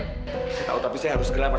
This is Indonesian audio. saya tahu tapi saya harus gelap